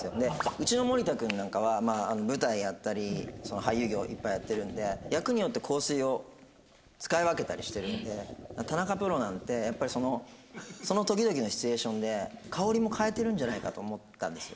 うちの森田君なんかは舞台やったり俳優業いっぱいやってるので田中プロなんてやっぱりその時々のシチュエーションで香りも変えてるんじゃないかと思ったんですよ。